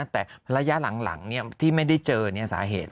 แต่ภรรยาหลังที่ไม่ได้เจอเนี่ยสาเหตุ